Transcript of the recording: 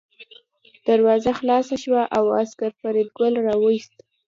دروازه خلاصه شوه او عسکر فریدګل راوست